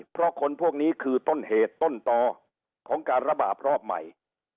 เพราะคนพวกนี้คือต้นเหตุต้นต่อของการระบาดรอบใหม่